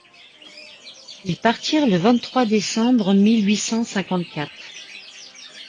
Ils partirent le vingt-trois décembre mille huit cent cinquante-quatre.